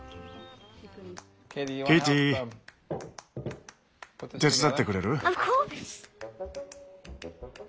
ケイティ手伝ってくれる？